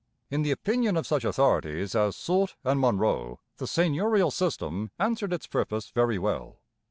In the opinion of such authorities as Sulte and Munro the seigneurial system answered its purpose very well.